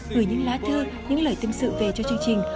gửi những lá thư những lời tâm sự về cho chương trình